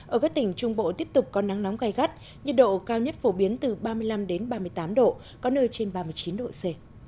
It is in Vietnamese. ở các tỉnh trung bộ tiếp tục có nắng nóng gai gắt nhiệt độ cao nhất phổ biến từ ba mươi năm ba mươi tám độ có nơi trên ba mươi chín độ c